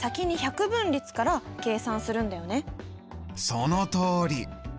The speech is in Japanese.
そのとおり。